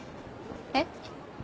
えっ？